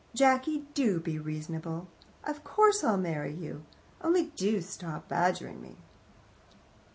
Jacky, do be reasonable. Of course I'll marry you. Only do stop badgering me."